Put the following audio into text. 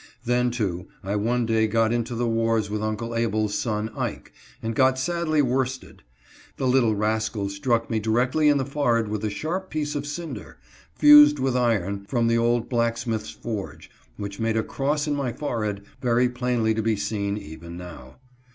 Then, too, I one day got into the wars with Uncle Abel's son " Ike, ;' and got sadly worsted ; the little rascal struck me directly in the forehead with a sharp piece of cinder, fused with iron, from the old blacksmith's forge, which made a cross in my forehead very plainly to be seen even now.